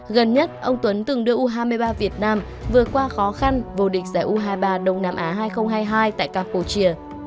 gần nhất ông tuấn từng đưa u hai mươi ba việt nam vượt qua khó khăn vô địch giải u hai mươi ba đông nam á hai nghìn hai mươi hai tại campuchia